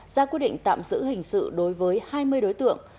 ra quyết định tạm giữ hình sự đối với hai mươi đối tượng